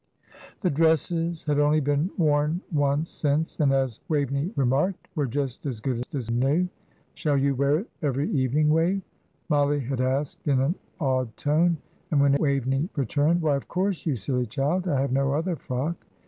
The dresses had only been worn once since, and, as Waveney remarked, were just as good as new. "Shall you wear it every evening, Wave?" Mollie had asked in an awed tone; and when Waveney returned, "Why, of course, you silly child, I have no other frock.